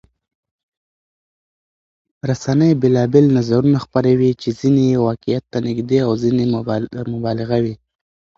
رسنۍ بېلابېل نظرونه خپروي چې ځینې یې واقعيت ته نږدې او ځینې مبالغه وي.